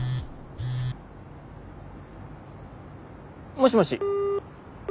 もしもし。